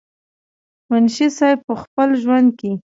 منشي صېب پۀ خپل ژوند کښې